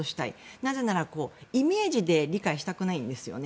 なぜなら、イメージで理解したくないんですよね。